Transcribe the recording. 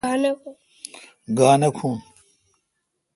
گاؘ نہ کھون۔